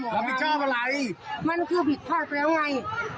พระพิชาพหมอมันคือผิดพลาดแล้วไง